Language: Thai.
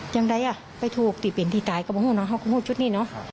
ยังไงอ่ะไปถูกติเป็นที่ตายก็ไม่รู้นะ